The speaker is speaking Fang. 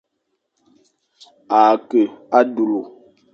Ake a dulu.